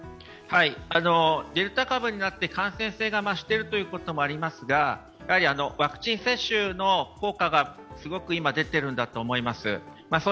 デルタ株になって感染性が増していることもありますがワクチン接種の効果がすごく出てると思います。